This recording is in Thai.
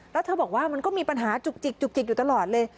แล้วเธอบอกว่ามันก็มีปัญหาจุกจิกจุกจิกอยู่ตลอดเลย